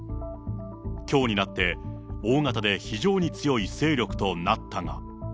きょうになって大型で非常に強い勢力となったが。